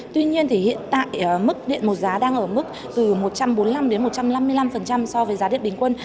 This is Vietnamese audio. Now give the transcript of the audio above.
tuy nhiên thì hiện tại mức điện một giá đang ở mức từ một trăm bốn mươi năm đến một trăm năm mươi năm so với giá điện bình quân